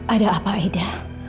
ada apa aida